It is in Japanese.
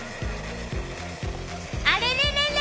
あれれれれ！